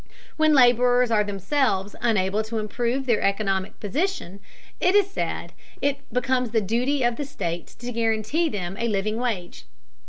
When laborers are themselves unable to improve their economic position, it is said, it becomes the duty of the state to guarantee them a living wage.